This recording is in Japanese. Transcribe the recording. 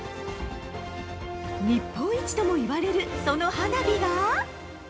◆日本一ともいわれるその花火が。